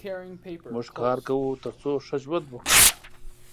موږ کار کوو تر څو ښه ژوند وکړو.